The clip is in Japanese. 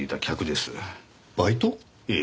ええ。